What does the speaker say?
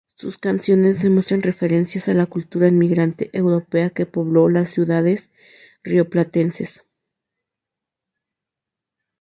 Sus canciones demuestran referencias a la cultura inmigrante europea que pobló las ciudades rioplatenses.